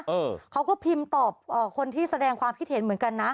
เออเขาก็พิมพ์ตอบเอ่อคนที่แสดงความคิดเห็นเหมือนกันนะ